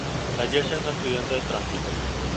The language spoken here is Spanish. Fallece en un accidente de tránsito.